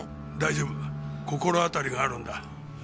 大丈夫心当たりがあるんだ。